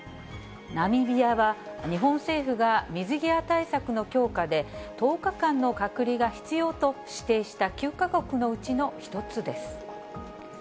ナミビアは、日本政府が水際対策の強化で、１０日間の隔離が必要と指定した９か国のうちの１つです。